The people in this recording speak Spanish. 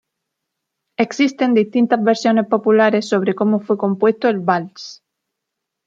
Existen distintas versiones populares sobre como fue compuesto el vals.